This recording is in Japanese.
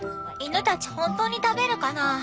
犬たち本当に食べるかな。